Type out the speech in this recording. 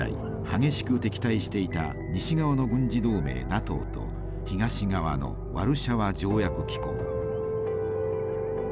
激しく敵対していた西側の軍事同盟ＮＡＴＯと東側のワルシャワ条約機構。